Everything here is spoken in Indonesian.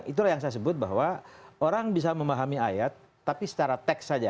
itulah yang saya sebut bahwa orang bisa memahami ayat tapi secara teks saja